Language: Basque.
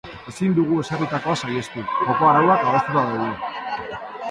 Ezin dugu ezarritakoa saihestu, joko-arauak adostuta daude.